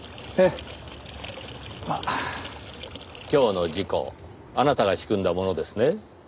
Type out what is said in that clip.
今日の事故あなたが仕組んだものですね？